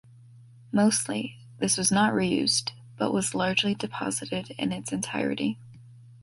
Mostly, this was not reused, but was largely deposited in its entirety.